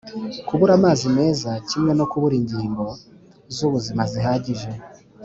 kubura amazi meza, kimwe no kubura inzego z'ubuzima zihagije.